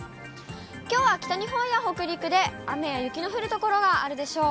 きょうは北日本や北陸で雨や雪の降る所があるでしょう。